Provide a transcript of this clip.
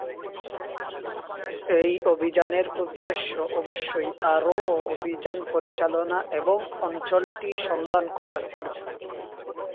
এই অভিযানের উদ্দেশ্য অবশ্যই আরও অভিযান পরিচালনা এবং অঞ্চলটি সন্ধান করা ছিল।